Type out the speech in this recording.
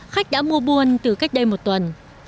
khách đã mua buôn từ cách đây một tuần